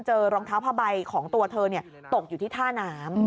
รองเท้าผ้าใบของตัวเธอตกอยู่ที่ท่าน้ำ